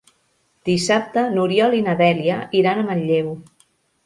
Dissabte n'Oriol i na Dèlia iran a Manlleu.